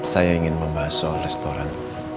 saya ingin membahas soal restoran